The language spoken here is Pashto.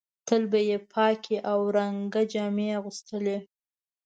تل به یې پاکې او رنګه جامې اغوستلې.